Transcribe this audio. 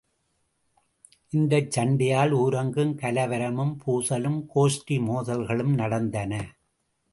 இந்த சண்டையால் ஊரெங்கும் கலவரமும், பூசலும், கோஷ்டி மோதல்களும் நடந்தன.